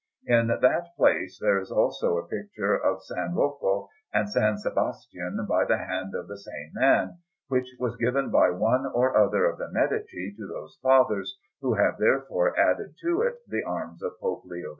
In that place there is also a picture of S. Rocco and S. Sebastian by the hand of the same man, which was given by one or other of the Medici to those fathers, who have therefore added to it the arms of Pope Leo X.